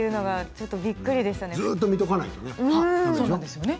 ずっと見とかないとね。